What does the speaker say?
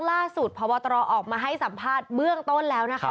พบตรออกมาให้สัมภาษณ์เบื้องต้นแล้วนะคะ